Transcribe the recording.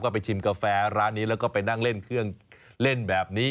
ไปชิมกาแฟร้านนี้แล้วก็ไปนั่งเล่นเครื่องเล่นแบบนี้